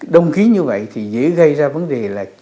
đồng khí như vậy thì dễ gây ra vấn đề là